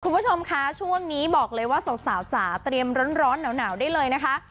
คุณผู้ชมคะช่วงนี้บอกเลยว่าสาวจ๋าเตรียมร้อนหนาวได้เลยนะคะ